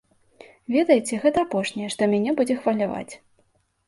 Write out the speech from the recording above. Ведаеце, гэта апошняе, што мяне будзе хваляваць.